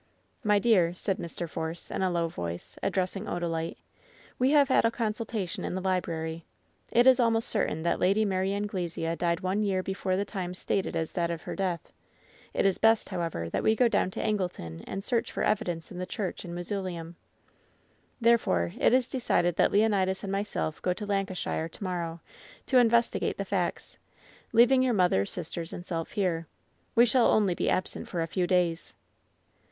"My dear," said Mr. Force, in a low voice, addressing Odalite, "we have had a consultation in the library. It is almost certain that Lady Mary Anglesea died one year before the time stated as that of her death. It is best, however, that we go down to Angleton and search for evidence in the church and mausoleum. Therefore, it is decided that Leonidas and myself go to Lancashire to morrow to investigate the facts, leaving your mother, sisters, and self here. We shall only be absent for a few days."